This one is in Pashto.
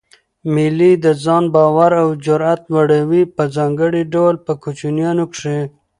مېلې د ځان باور او جرئت لوړوي؛ په ځانګړي ډول په کوچنيانو کښي.